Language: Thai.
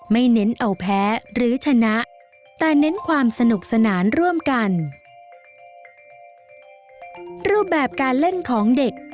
เน้นเอาแพ้หรือชนะแต่เน้นความสนุกสนานร่วมกันรูปแบบการเล่นของเด็ก